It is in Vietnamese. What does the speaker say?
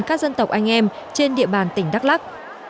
các dân tộc anh em trên địa bàn tỉnh đắk lắc